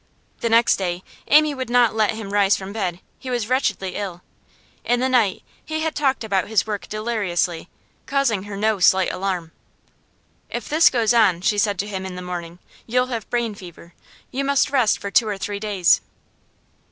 The next day Amy would not let him rise from bed; he was wretchedly ill. In the night he had talked about his work deliriously, causing her no slight alarm. 'If this goes on,' she said to him in the morning, 'you'll have brain fever. You must rest for two or three days.